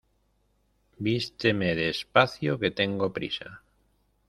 Vísteme despacio, que tengo prisa.